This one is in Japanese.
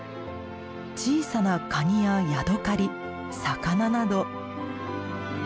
小さなカニやヤドカリ魚など。